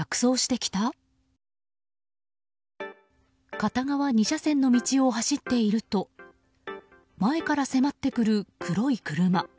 片側２車線の道を走っていると前から迫ってくる黒い車。